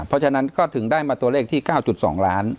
เพราะฉะนั้นก็ถึงได้มาตัวเลขที่๙๒ล้าน